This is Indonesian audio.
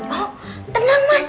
oh tenang mas